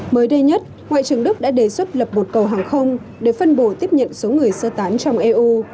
mới đây nhất ngoại trưởng đức đã đề xuất lập một cầu hàng không để phân bổ tiếp nhận số người sơ tán trong eu